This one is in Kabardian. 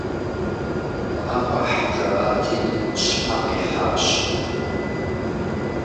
«Пыӏэ къэхь» жаӏати, щхьэ къихьащ.